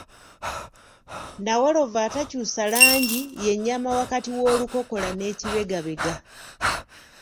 Nawolovu atakyusa langi ye nnyama wakati w’olukokola n’ekibegabega.